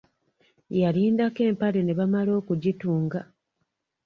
Yalindako empale ne bamala okugitunga!